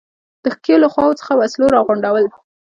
د ښکېلو خواوو څخه وسلو را غونډول.